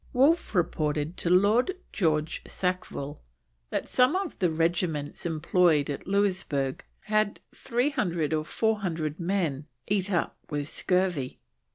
Wolfe reported to Lord George Sackville that some of the regiments employed at Louisburg had "300 or 400 men eat up with scurvy."